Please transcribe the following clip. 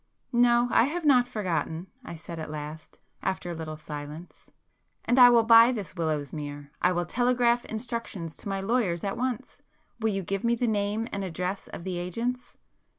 "No, I have not forgotten"—I said at last, after a little silence. "And I will buy this Willowsmere. I will telegraph instructions to my lawyers at once. Will you give me the name and address of the agents?"